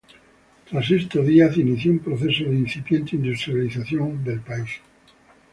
Tras esto, Díaz inició un proceso de incipiente industrialización en el país.